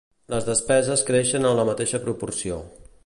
Les despeses creixen en la mateixa proporció.